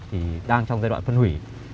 thì đang trong giai đoạn phân hủy